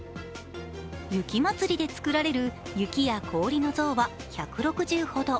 雪まつりで作られる雪や氷の像は１６０ほど。